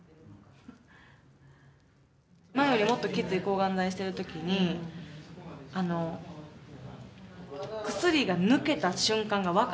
今よりもっとキツい抗がん剤してる時に薬が抜けた瞬間が分かるんですよ